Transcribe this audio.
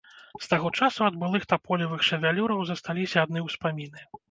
З таго часу ад былых таполевых шавялюраў засталіся адны ўспаміны.